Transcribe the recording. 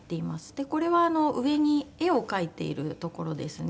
でこれは上に絵を描いているところですね。